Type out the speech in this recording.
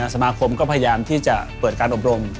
สมาคมก็พยายามที่จะเปิดการอบรม